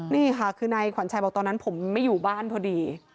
นี่ค่ะคือนายขวัญชัยบอกตอนนั้นผมไม่อยู่บ้านพอดี